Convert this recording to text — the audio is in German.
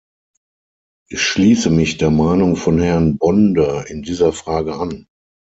Ich schließe mich der Meinung von Herrn Bonde in dieser Frage an.